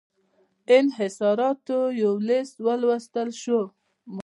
انحصاراتو یو لېست ولوستل شو.